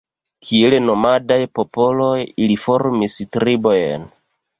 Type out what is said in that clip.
Kiel nomadaj popoloj, ili formis tribojn.